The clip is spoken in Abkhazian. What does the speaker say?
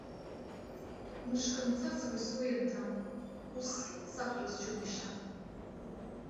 Мышкы мцац уи сгәы ианҭам, ус сақәтәаз џьумшьан!